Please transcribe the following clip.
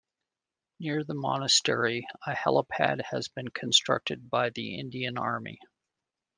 Near the monastery, a helipad has been constructed by the Indian Army.